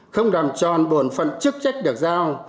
không làm tròn bổn phận chức trách được giao